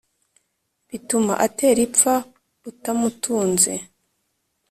bituma atera ipfa utamutunze !